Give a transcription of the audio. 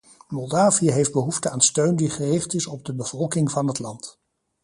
Moldavië heeft behoefte aan steun die gericht is op de bevolking van het land.